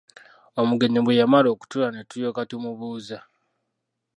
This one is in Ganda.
Omugenyi bwe yamala okutuula ne tulyoka tumubuuza.